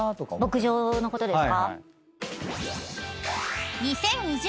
牧場のことですか？